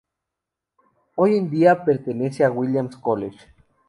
Hoy en día, pertenece a Williams College.